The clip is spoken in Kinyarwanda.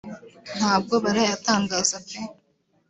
ntabwo barayatangaza pe”